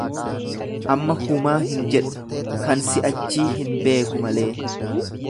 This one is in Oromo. Amma humaa hin jedhu, kan si'achii hin beeku malee.